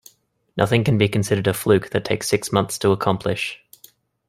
Nothing can be considered a fluke that takes six months to accomplish.